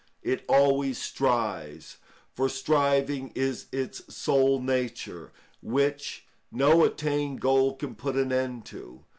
It always strives, for striving is its sole nature, which no attained goal can put an end to.